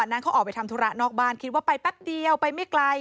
นั้นเขาออกไปทำธุระนอกบ้านคิดว่าไปแป๊บเดียวไปไม่ไกล